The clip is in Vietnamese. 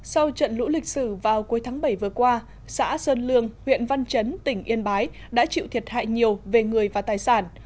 sau trận lũ lịch sử vào cuối tháng bảy vừa qua xã sơn lương huyện văn chấn tỉnh yên bái đã chịu thiệt hại nhiều về người và tài sản